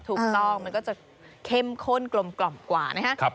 ถูกต้องมันก็จะเข้มข้นกลมกว่านะครับ